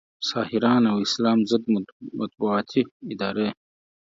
ساحران او اسلام ضد مطبوعاتي ادارې